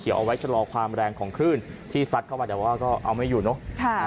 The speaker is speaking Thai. เอาไว้ชะลอความแรงของคลื่นที่ซัดเข้ามาแต่ว่าก็เอาไม่อยู่เนอะ